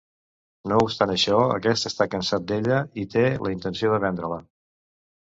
No obstant això, aquest està cansat d'ella i té la intenció de vendre-la.